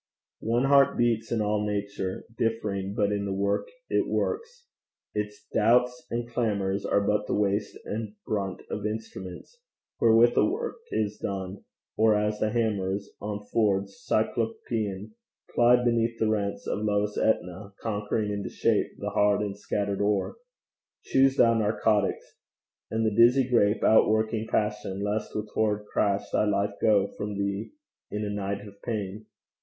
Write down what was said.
One heart beats in all nature, differing But in the work it works; its doubts and clamours Are but the waste and brunt of instruments Wherewith a work is done; or as the hammers On forge Cyclopean plied beneath the rents Of lowest Etna, conquering into shape The hard and scattered ore: Choose thou narcotics, and the dizzy grape Outworking passion, lest with horrid crash Thy life go from thee in a night of pain.